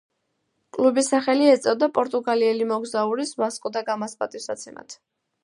კლუბის სახელი ეწოდა პორტუგალიელი მოგზაურის ვასკო და გამას პატივსაცემად.